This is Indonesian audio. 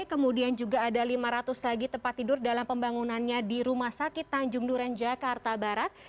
kemudian juga ada lima ratus lagi tempat tidur dalam pembangunannya di rumah sakit tanjung duren jakarta barat